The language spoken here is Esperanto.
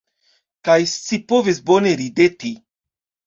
Kaj scipovis bone rideti.